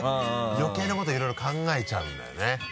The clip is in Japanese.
余計なこといろいろ考えちゃうんだよね。